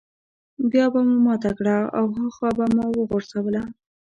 بيا به مو ماته کړه او هاخوا به مو وغورځوله.